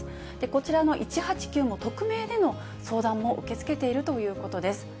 こちらの１８９も匿名での相談も受け付けているということです。